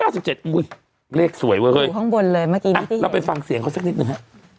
อู้ยห้องบนเลยเรามายังไปฟังเสียงเขาสักนิดหนึ่ง